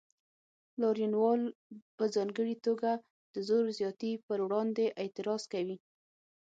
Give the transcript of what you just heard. لاریونوال په ځانګړې توګه د زور زیاتي پر وړاندې اعتراض کوي.